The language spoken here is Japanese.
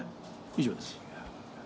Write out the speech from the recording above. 以上です。